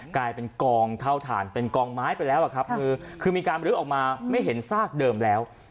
กลายเป็นกองเท่าฐานเป็นกองไม้ไปแล้วอะครับมือคือมีการลื้อออกมาไม่เห็นซากเดิมแล้ว